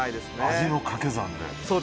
味の掛け算で。